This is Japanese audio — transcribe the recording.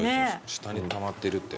下にたまってるって。